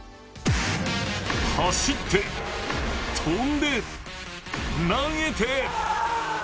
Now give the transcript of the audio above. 走って、跳んで、投げて。